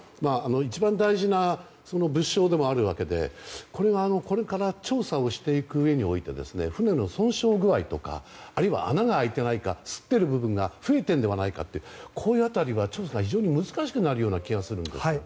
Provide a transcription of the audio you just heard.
一番大事な物証でもあるわけでこれから調査をしていくうえにおいて、船の損傷具合とかあるいは穴が開いてないか擦っている部分が増えているのではないかというこういう辺りは調査が非常に難しくなる気がするんですが。